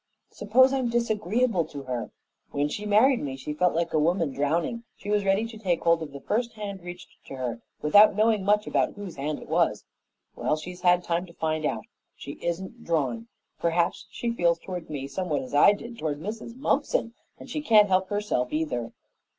Suppose I'm disagreeable to her! When she married me she felt like a woman drowning; she was ready to take hold of the first hand reached to her without knowing much about whose hand it was. Well, she's had time to find out. She isn't drawn. Perhaps she feels toward me somewhat as I did toward Mrs. Mumpson, and she can't help herself either.